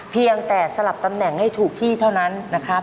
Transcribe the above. เพียงแต่สลับตำแหน่งให้ถูกที่เท่านั้นนะครับ